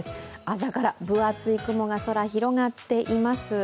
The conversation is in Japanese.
朝から分厚い雲が空に広がっています。